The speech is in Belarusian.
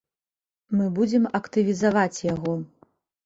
Мы будзем актывізаваць яго.